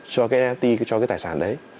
cho cái nft cho cái tài sản đấy